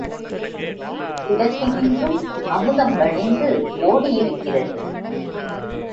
குடத்தினின்றும் அமுதம் வழிந்து ஓடியிருக்கிறது.